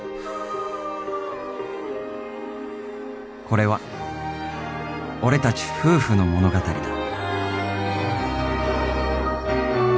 ［これは俺たち夫婦の物語だ］